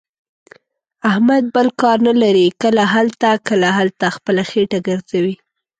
احمد بل کار نه لري. کله هلته، کله هلته، خپله خېټه ګرځوي.